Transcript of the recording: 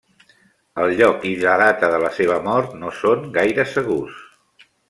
El lloc i la data de la seva mort no són gaire segurs.